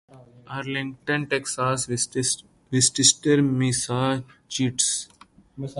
Arlington Texas ویسٹسٹر Massachusetts